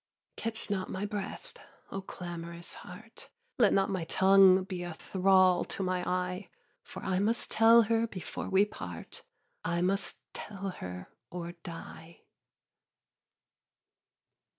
3. Catch not my breath, O clamorous heart, Let not my tongue be a thrall to my eye, For I must tell her before we part, I must tell her, or die.